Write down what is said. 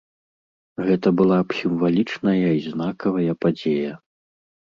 Гэта была б сімвалічная і знакавая падзея.